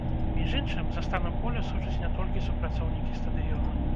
Між іншым, за станам поля сочаць не толькі супрацоўнікі стадыёна.